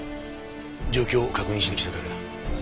状況を確認しに来ただけだ。